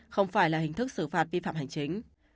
không phải là hình thức xử phạt vi phạm hành chính